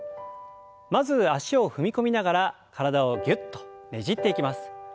まず脚を踏み込みながら体をぎゅっとねじっていきます。